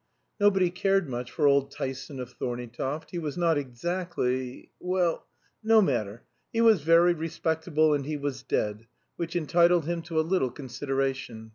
Nobody cared much for old Tyson of Thorneytoft; he was not exactly well, no matter, he was very respectable and he was dead, which entitled him to a little consideration.